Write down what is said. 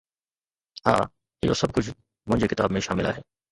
ها، اهو سڀ ڪجهه منهنجي ڪتاب ۾ شامل آهي